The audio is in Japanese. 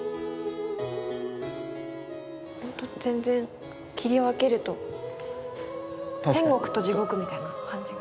ほんと全然切り分けると天国と地獄みたいな感じがします。